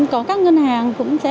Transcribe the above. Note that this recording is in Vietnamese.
có các ngân hàng cũng sẽ